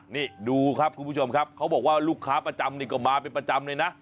นี่ดูครับคุณผู้ชมครับเขาบอกว่าลูกค้าประจำนี่ก็มาเป็นประจำเลยนะ